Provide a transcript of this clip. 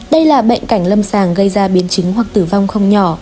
đây là bệnh cảnh lâm sàng gây ra biến chứng hoặc tử vong không nhỏ